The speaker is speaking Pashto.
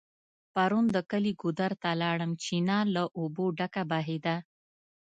پرون د کلي ګودر ته لاړم .چينه له اوبو ډکه بهيده